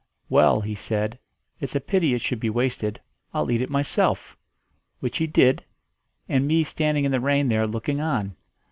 'Well,' he said, 'it's a pity it should be wasted, I'll eat it myself.' Which he did, and me standing in the rain there looking on.